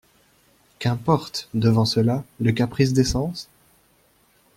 Qu'importe, devant cela, le caprice des sens?